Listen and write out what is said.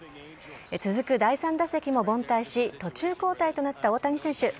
続く第３打席も凡退し、途中交代となった大谷選手。